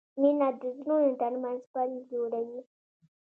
مینه د زړونو ترمنځ پل جوړوي.